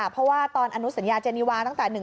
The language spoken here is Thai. เพราะว่าตอนอนุสัญญาเจนีวาตั้งแต่๑๕